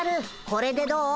これでどう？